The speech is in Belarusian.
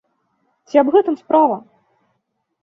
Ці аб гэтым справа?